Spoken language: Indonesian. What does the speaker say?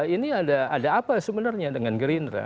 ini ada apa sebenarnya dengan gerindra